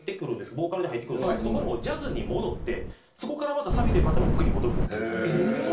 ボーカルで入ってくるんですけどそこもジャズに戻ってそこからサビでまたロックに戻るっていう。